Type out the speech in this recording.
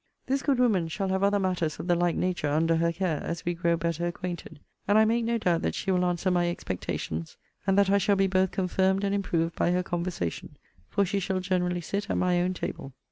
This good woman shall have other matters of the like nature under her care, as we grow better acquainted; and I make no doubt that she will answer my expectations, and that I shall be both confirmed and improved by her conversation: for she shall generally sit at my own table.